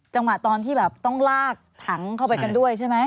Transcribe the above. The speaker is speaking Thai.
จังหวะตอนที่แบบต้องลากถังเข้าไปกันด้วยใช่ไหม